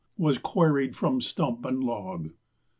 _ was queried from stump and log.